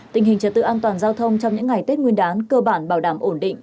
tình hình trật tự an toàn giao thông trong những ngày tết nguyên đán cơ bản bảo đảm ổn định